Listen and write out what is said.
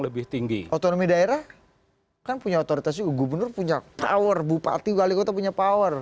lebih tinggi otonomi daerah kan punya otoritas gubernur punya power bupati wali kota punya power